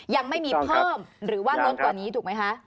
ยังไม่มีเพิ่มหรือว่าล้นกว่านี้ถูกไหมคะ